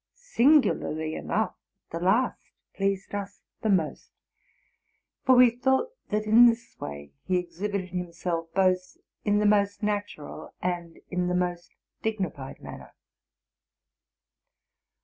Singularly enough, the last 166 TRUTH AND FICTION pleased us the most; for we thought that in this way lhe exhibite:l himself both in the most natural and in the most dignified manner.